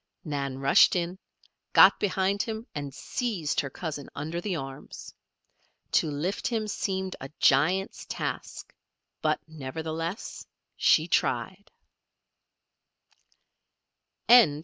Nan rushed in, got behind him, and seized her cousin under the arms. To lift him seemed a giant's task; but nevertheless she tried.